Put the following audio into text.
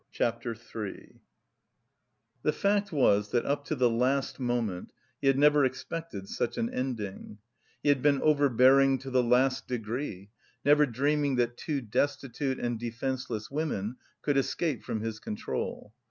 CHAPTER III The fact was that up to the last moment he had never expected such an ending; he had been overbearing to the last degree, never dreaming that two destitute and defenceless women could escape from his control.